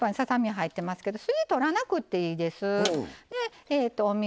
フライパンささ身入ってますけど筋取らなくていいです。